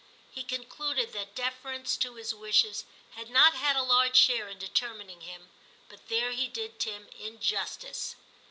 He concluded that deference to his wishes had not had a large share in determining him, but there he did Tim injustice.